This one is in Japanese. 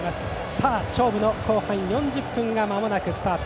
さあ、勝負の後半４０分がまもなくスタート。